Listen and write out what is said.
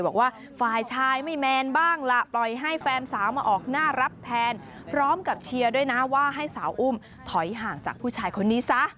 บอกว่าฝ่ายชายไม่แมนบ้างล่ะปล่อยให้แฟนสาวมาออกหน้ารับแทนพร้อมกับเชียร์ด้วยนะว่าให้สาวอุ้มถอยห่างจากผู้ชายคนนี้ซะ